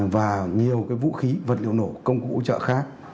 và nhiều cái vũ khí vật liệu nổ công cụ trợ khác